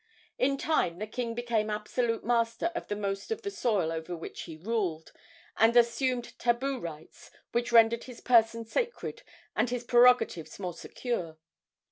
In time the king became absolute master of the most of the soil over which he ruled, and assumed tabu rights which rendered his person sacred and his prerogatives more secure.